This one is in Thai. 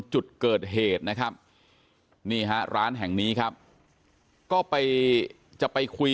จุดเกิดเหตุนะครับนี่ฮะร้านแห่งนี้ครับก็ไปจะไปคุย